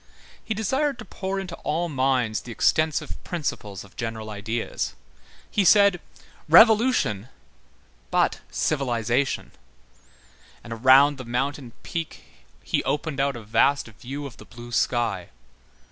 He desired to pour into all minds the extensive principles of general ideas: he said: "Revolution, but civilization"; and around the mountain peak he opened out a vast view of the blue sky.